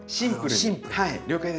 シンプルに。